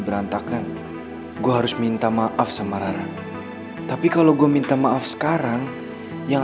berantakan gue harus minta maaf sama rara tapi kalau gue minta maaf sekarang yang